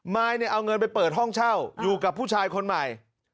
มายเนี่ยเอาเงินไปเปิดห้องเช่าอยู่กับผู้ชายคนใหม่